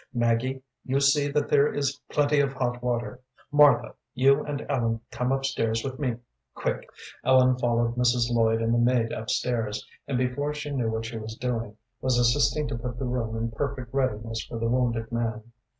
Maggie, you see that there is plenty of hot water. Martha, you and Ellen come up stairs with me, quick." Ellen followed Mrs. Lloyd and the maid up stairs, and, before she knew what she was doing, was assisting to put the room in perfect readiness for the wounded man.